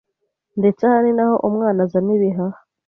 ndetse aha ninaho umwana azana ibihaha